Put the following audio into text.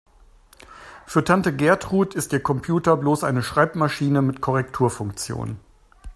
Für Tante Gertrud ist ihr Computer bloß eine Schreibmaschine mit Korrekturfunktion.